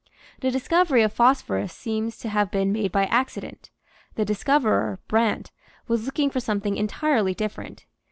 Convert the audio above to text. The discovery of phosphorus seems to have been made by accident; the discoverer, Brandt, was looking for something entirely different.